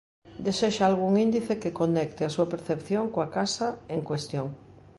Desexa algún índice que conecte a súa percepción coa casa en cuestión.